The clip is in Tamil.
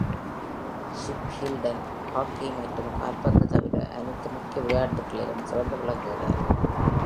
சிப் ஹில்டன் ஹாக்கி மற்றும் கால்பந்து தவிர அனைத்து முக்கிய விளையாட்டுகளிலும் சிறந்து விளங்குகிறார்.